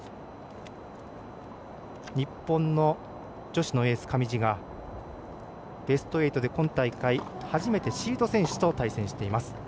日本の女子のエース、上地がベスト８で今大会初めてシード選手と対戦しています。